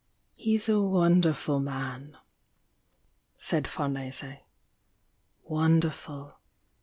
"He's a wonderful man !" said Farnese. "Wonder ful